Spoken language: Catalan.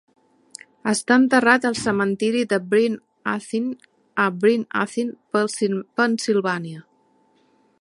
Està enterrat al Cementiri de Bryn Athyn, a Bryn Athyn, Pennsylvania.